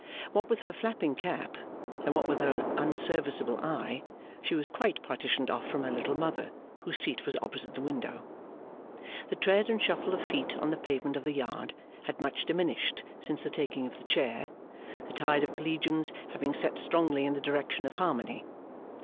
What with her flapping cap, and what with her unserviceable eye, she was quite partitioned off from her Little Mother, whose seat was opposite the window. The tread and shuffle of feet on the pavement of the yard had much diminished since the taking of the Chair, the tide of Collegians having set strongly in the direction of Harmony.